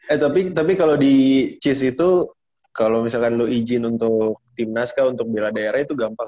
eh tapi kalo di cis itu kalo misalkan lo izin untuk timnas kah untuk bila daerah itu gampang